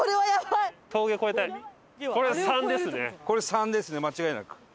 これ「３」ですね間違いなく。